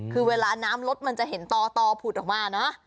คือเวลาน้ำรถมันจะเห็นต่อผุดออกมาเนอะ